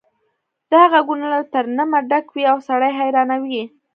دا غږونه له ترنمه ډک وي او سړی حیرانوي